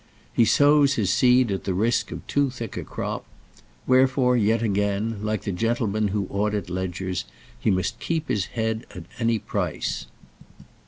He sows his seed at the risk of too thick a crop; wherefore yet again, like the gentlemen who audit ledgers, he must keep his head at any price.